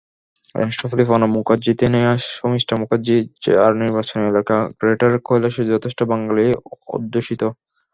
রাষ্ট্রপতি প্রণব মুখার্জিতনয়া শর্মিষ্ঠা মুখার্জি, যাঁর নির্বাচনী এলাকা গ্রেটার কৈলাশে যথেষ্ট বাঙালি-অধ্যুষিত।